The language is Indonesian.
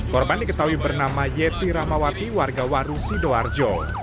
korban diketahui bernama yeti ramawati warga waru sidorjo